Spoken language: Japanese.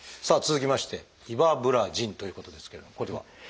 さあ続きまして「イバブラジン」ということですけれどもこれは？